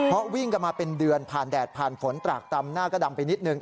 เพราะวิ่งกันมาเป็นเดือนผ่านแดดผ่านฝนตรากตำหน้าก็ดำไปนิดนึง